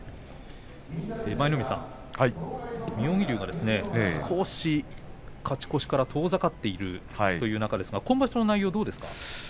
舞の海さん、妙義龍が少し勝ち越しから遠ざかっている中で今場所の内容はどうですか？